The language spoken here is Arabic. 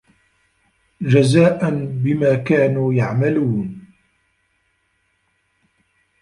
جَزاءً بِما كانوا يَعمَلونَ